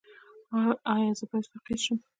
ایا زه باید فقیر شم؟